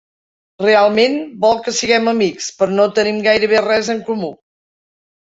Realment, vol que siguem amics, però no tenim gairebé res en comú!